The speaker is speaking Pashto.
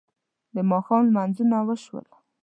د ماښام لمونځونه وشول.